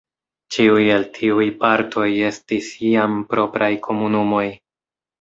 Ĉiuj el tiuj partoj estis iam propraj komunumoj.